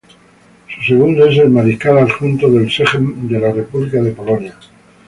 Su segundo es el Mariscal Adjunto del Sejm de la República de Polonia.